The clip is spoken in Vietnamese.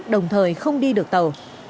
đồng thời không đi được tàu